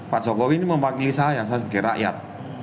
pak jokowi ini mempanggil saya sebagai rakyat